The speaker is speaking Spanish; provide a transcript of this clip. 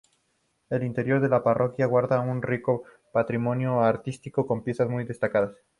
El interior de la parroquia guarda un rico patrimonio artístico, con piezas muy destacadas.